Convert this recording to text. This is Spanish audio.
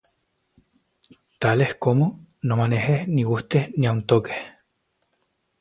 Tales como, No manejes, ni gustes, ni aun toques,